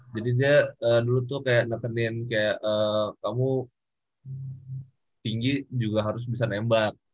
jadi dia dulu tuh kayak nekenin kayak kamu tinggi juga harus bisa nembak